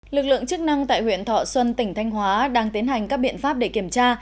lực lượng chức năng tại huyện thọ xuân tỉnh thanh hóa đang tiến hành các biện pháp để kiểm tra